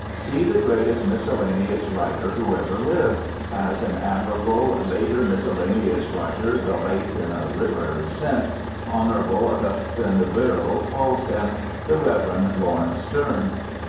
See the greatest miscellaneous writer who ever lived, as an admirable later miscellaneous writer the late (in a literary sense) Hon. Augustine Birrell calls him, the Rev. Laurence Sterne.